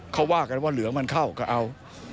เขาว่ากันว่าเหลืองมันเข้าก็เอา